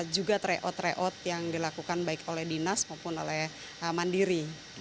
juga tryout tryout yang dilakukan baik oleh dinas maupun oleh mandiri